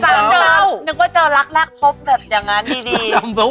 นึกว่าเจอรักพบอย่างนั้นดี